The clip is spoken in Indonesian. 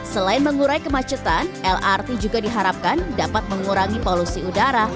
selain mengurai kemacetan lrt juga diharapkan dapat mengurangi polusi udara